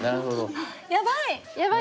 やばい！